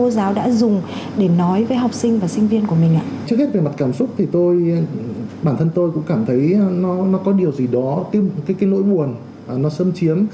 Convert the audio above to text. trước hết về mặt cảm xúc thì tôi bản thân tôi cũng cảm thấy nó có điều gì đó cái cái nỗi buồn nó xâm chiếm